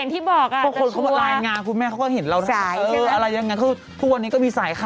แต่เอาแหนะอย่างที่บอก